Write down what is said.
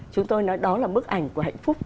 chúng tôi nói đó là bức ảnh của hạnh phúc